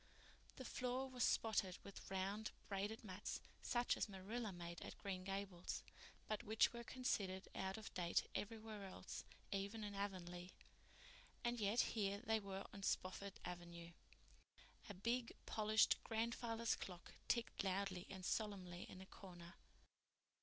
The floor was spotted with round, braided mats, such as Marilla made at Green Gables, but which were considered out of date everywhere else, even in Avonlea. And yet here they were on Spofford Avenue! A big, polished grandfather's clock ticked loudly and solemnly in a corner.